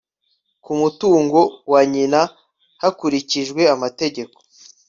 ku mutungo wa nyina hakurikijwe amategeko